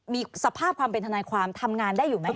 มีสภาพความเป็นทนายความทำงานได้อยู่ไหมค